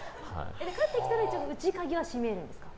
帰ってきたら一応内鍵は閉めるんですか？